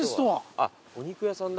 あっお肉屋さんだ。